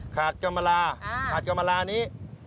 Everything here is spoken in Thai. หาดกะมาลาหาดกะมาลานี้